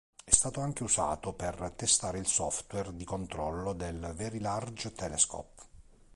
È stato anche usato per testare il software di controllo del Very Large Telescope.